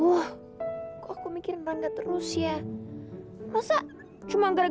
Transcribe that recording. aku aku harap kamu tetep kayak kemaren ya pi